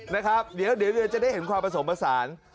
นะครับเดี๋ยวเรือจะได้เห็นความผสมผสาน